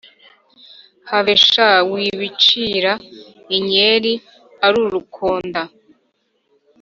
have sha wibicira inyeri arurukonda!